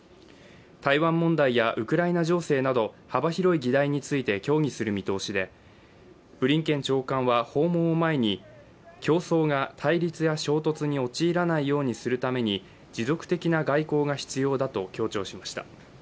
台湾問題やウクライナ情勢など幅広い議題について協議する見通しでブリンケン長官は訪問を前に競争が対立や衝突に陥らないようにするために持続的な外交が必要だと強調しました。